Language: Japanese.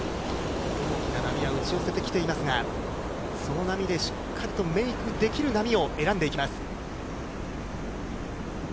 残り時間が４分、大きな波が打ち寄せてきていますが、その波でしっかりとメークできる波を選んでいきます。